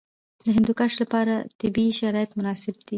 د هندوکش لپاره طبیعي شرایط مناسب دي.